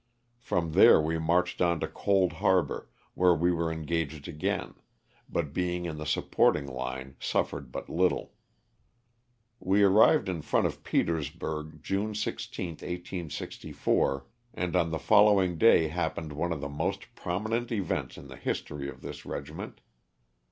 From there we marched on to Cold Harbor, where we were engaged again, but being in the supporting line suffered but little. We arrived in front of Petersburg June 16, 1864, and on the fol LOSS OF THE SULTANA. 337 lowing day happened one of the most prominent events in the history of this regiment.